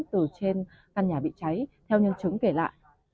từ trên căn nhà bị cháy theo nhân chứng kể lại